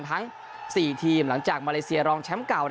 ทั้ง๔ทีมหลังจากมาเลเซียรองแชมป์เก่า